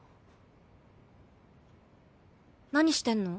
何してんの？